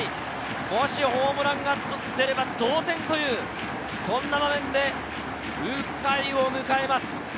もしホームランが出れば同点というそんな場面で鵜飼を迎えます。